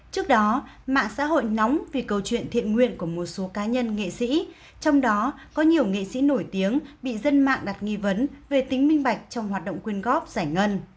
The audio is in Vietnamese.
trước đó mạng xã hội nóng vì câu chuyện thiện nguyện của một số cá nhân nghệ sĩ trong đó có nhiều nghệ sĩ nổi tiếng bị dân mạng đặt nghi vấn về tính minh bạch trong hoạt động quyên góp giải ngân